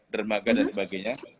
dermaga dan sebagainya